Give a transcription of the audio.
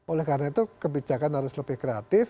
oleh karena itu kebijakan harus lebih kreatif